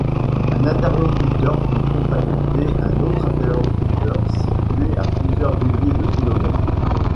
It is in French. Un interlocuteur peut contacter un autre interlocuteur situé à plusieurs milliers de kilomètres.